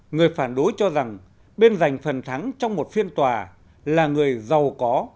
người phản đối cho rằng bên giành phần thắng trong một phiên tòa là người giàu có